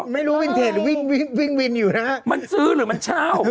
ไม่รู้วินเทจหรือวิ่งวินอยู่นะฮะมันซื้อหรือมันเช่า